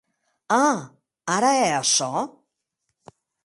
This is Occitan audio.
A!, ara hè açò?